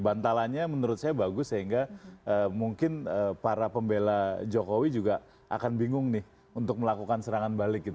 bantalannya menurut saya bagus sehingga mungkin para pembela jokowi juga akan bingung nih untuk melakukan serangan balik gitu